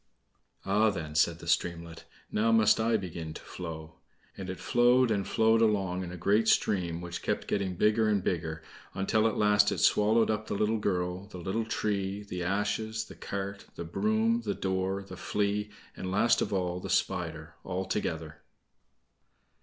"Ah, then," said the streamlet, "now must I begin to flow." And it flowed and flowed along, in a great stream, which kept getting bigger and bigger, until at last it swallowed up the little girl, the little tree, the ashes, the cart, the broom, the door, the Flea, and, last of all, the Spider, all together.